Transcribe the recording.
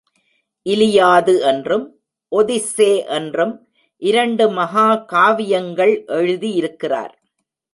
இலியாது என்றும் ஒதிஸ்ஸே என்றும் இாண்டு மகாகாவியங்கள் எழுதியிருக்கிறார்.